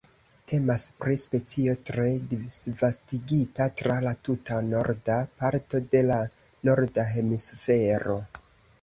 Temas pri specio tre disvastigita tra la tuta norda parto de la Norda Hemisfero.